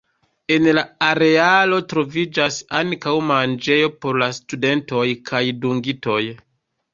En la arealo troviĝas ankaŭ manĝejo por la studentoj kaj dungitoj.